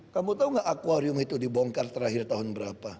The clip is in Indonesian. kamu tau gak akwarium itu dibongkar terakhir tahun berapa